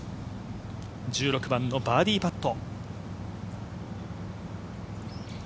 １６番のバーディーパット。